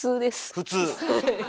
普通。